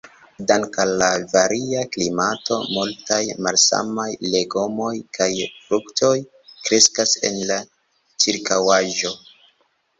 Dank' al la varia klimato, multaj malsamaj legomoj kaj fruktoj kreskas en la ĉirkaŭaĵo.